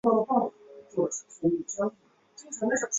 贾拓夫则被下放到北京钢铁公司当副经理。